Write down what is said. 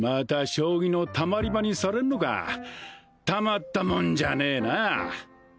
将棋のたまり場にされんのかたまったもんじゃねえな